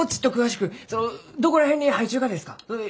そのどこら辺に生えちゅうがですか？